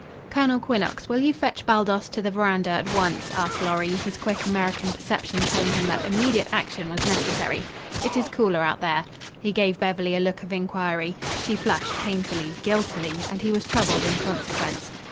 "Colonel Quinnox, will you fetch Baldos to the verandah at once?" asked Lorry, his quick American perception telling him that immediate action was necessary. "It is cooler out there." He gave Beverly a look of inquiry. She flushed painfully, guiltily, and he was troubled in consequence.